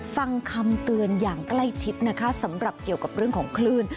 ฟังคำเตือนอย่างใกล้ชิดนะคะสำหรับเกี่ยวกับเรื่องของคลื่น